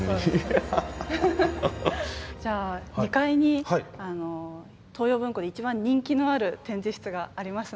じゃあ２階に東洋文庫で一番人気のある展示室がありますので。